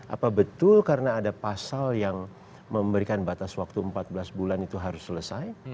apa betul karena ada pasal yang memberikan batas waktu empat belas bulan itu harus selesai